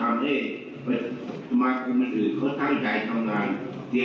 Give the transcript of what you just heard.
ในเรื่องอนรมเนี้ย